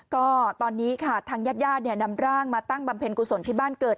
ก็ตอนนี้ค่ะทางญาติญาตินำร่างมาตั้งบำเพ็ญกุศลที่บ้านเกิด